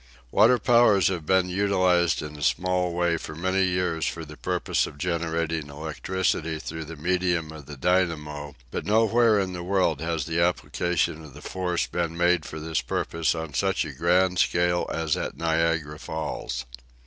Water powers have been utilized in a small way for many years for the purpose of generating electricity through the medium of the dynamo, but nowhere in the world has the application of the force been made for this purpose on such a grand scale as at Niagara Falls.